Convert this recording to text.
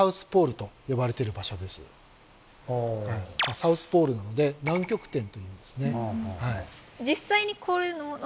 サウスポールなので南極点という意味ですね。